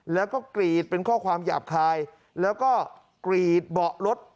แล้วก็กรีดเป็นข้อความหยาบคายแล้วก็กรีดเบาะรถ